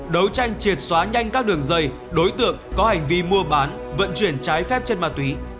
đấu tranh triệt xóa nhanh các đường dây đối tượng có hành vi mua bán vận chuyển trái phép chất ma túy